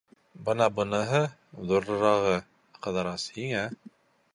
— Бына быныһы, ҙурырағы, Ҡыҙырас, һиңә.